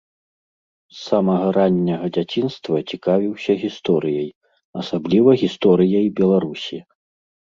З самага ранняга дзяцінства цікавіўся гісторыяй, асабліва гісторыяй Беларусі.